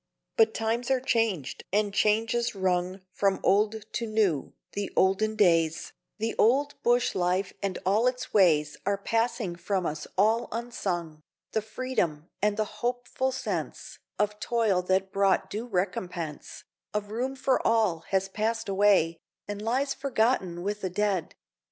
But times are changed, and changes rung From old to new the olden days, The old bush life and all its ways Are passing from us all unsung. The freedom, and the hopeful sense Of toil that brought due recompense, Of room for all, has passed away, And lies forgotten with the dead.